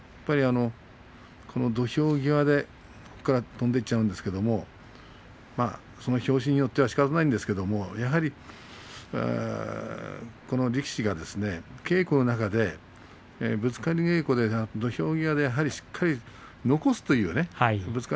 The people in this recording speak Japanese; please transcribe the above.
土俵際から飛んでいっちゃうんですけれども拍子によってはしかたがないんですけれどもこの力士が、稽古の中でぶつかり稽古で土俵際でしっかり残すというね。